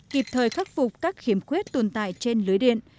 kịp thời khắc phục các khiếm khuyết tồn tại trên lưới điện